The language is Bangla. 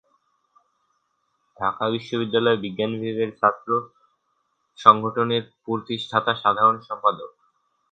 ঢাকা বিশ্ববিদ্যালয়ের বিজ্ঞান বিভাগের ছাত্র সংগঠনের প্রতিষ্ঠাতা সাধারণ সম্পাদক।